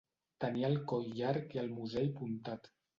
Tenia el coll llarg i el musell puntat.